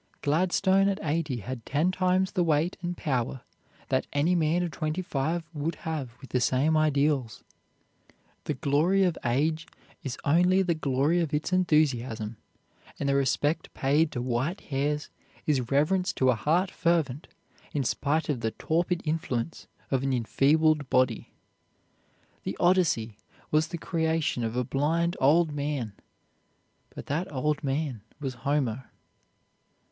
Gladstone at eighty had ten times the weight and power that any man of twenty five would have with the same ideals. The glory of age is only the glory of its enthusiasm, and the respect paid to white hairs is reverence to a heart fervent, in spite of the torpid influence of an enfeebled body. The "Odyssey" was the creation of a blind old man, but that old man was Homer.